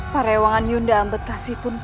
parewangan yunda ampetkasi pun